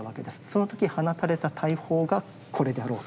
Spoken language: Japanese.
その時放たれた大砲がこれであろうと。